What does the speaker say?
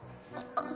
あっ。